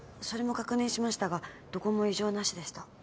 それも確認しましたがどこも異常なしでした。